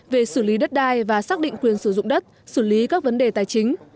về xử lý đất đai và xác định quyền sử dụng đất xử lý các vấn đề tài chính